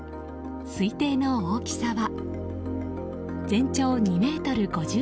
推定の大きさは全長２ｍ５３ｃｍ。